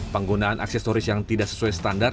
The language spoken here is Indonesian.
penggunaan aksesoris yang tidak sesuai standar